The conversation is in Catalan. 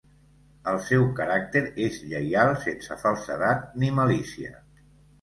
El seu caràcter és lleial sense falsedat ni malícia.